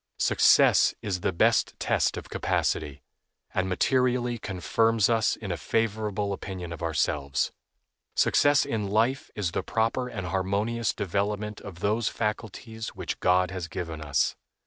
Success is the best test of capacity, and materially confirms us in a favorable opinion of ourselves. Success in life is the proper and harmonious development of those faculties which God has given us.